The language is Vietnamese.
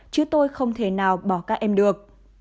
chứ tôi không thể nào bỏ các em được